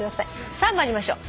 さあ参りましょう。